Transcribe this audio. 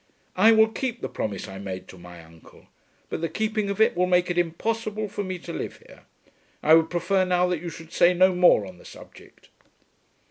I will keep the promise I made to my uncle, but the keeping of it will make it impossible for me to live here. I would prefer now that you should say no more on the subject."